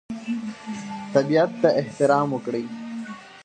طبیعت ته احترام وکړئ.